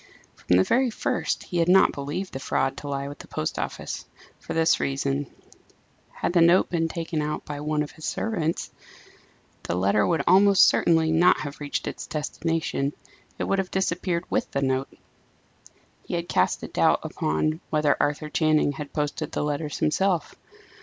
From the very first, he had not believed the fraud to lie with the post office for this reason: had the note been taken out by one of its servants, the letter would almost certainly not have reached its destination; it would have disappeared with the note. He had cast a doubt upon whether Arthur Channing had posted the letters himself.